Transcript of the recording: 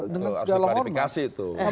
dengan segala hormat